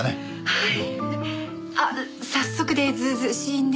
はい。